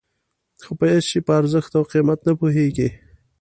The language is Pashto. خو په هېڅ شي په ارزښت او قیمت نه پوهېږي.